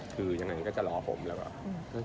คือยังไงก็จะรอผมแล้วแบบ